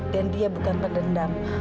dan dia bukan pendendam